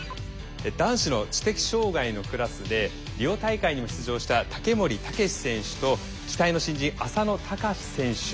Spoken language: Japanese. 男子の知的障害のクラスでリオ大会にも出場した竹守彪選手と期待の新人浅野俊選手。